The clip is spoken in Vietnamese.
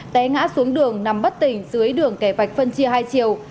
té ngã xuống đường nằm bất tỉnh dưới đường kẻ vạch phân chia hai chiều